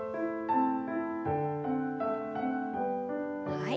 はい。